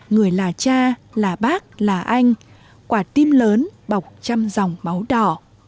người là cha là bác là anh quả tim lớn bọc trăm dòng máu đỏ